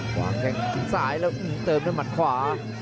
วางแข้งซ้ายแล้วเติมด้วยหมัดขวา